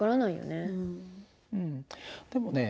でもね